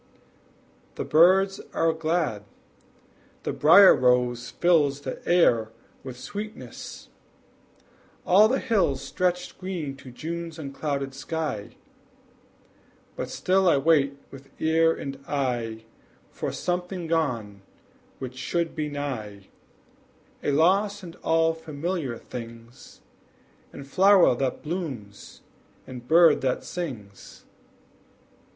The birds are glad; the brier rose fills The air with sweetness; all the hills Stretch green to June's unclouded sky; But still I wait with ear and eye For something gone which should be nigh, A loss in all familiar things, In flower that blooms, and bird that sings.